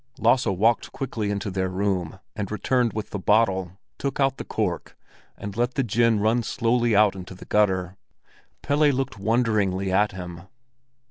Lasse walked quickly into their room and returned with the bottle, took out the cork, and let the gin run slowly out into the gutter. Pelle looked wonderingly at him.